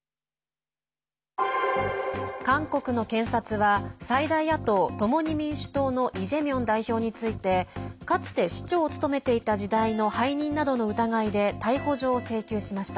韓国の検察は最大野党、共に民主党のイ・ジェミョン代表についてかつて市長を務めていた時代の背任などの疑いで逮捕状を請求しました。